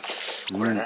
これね。